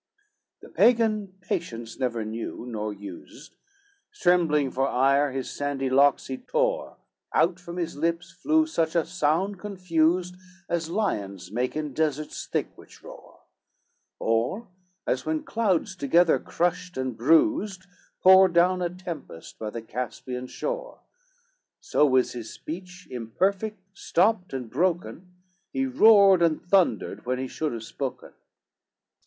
XXXVIII The Pagan patience never knew, nor used, Trembling for ire, his sandy locks he tore, Out from his lips flew such a sound confused, As lions make in deserts thick, which roar; Or as when clouds together crushed and bruised, Pour down a tempest by the Caspian shore; So was his speech imperfect, stopped, and broken, He roared and thundered when he should have spoken.